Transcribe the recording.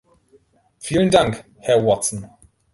Vielen Dank, Herr Watson!